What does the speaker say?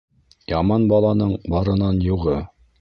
Яман баланың барынан юғы.